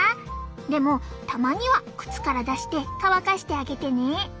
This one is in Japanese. でもたまには靴から出して乾かしてあげてね。